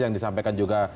yang disampaikan juga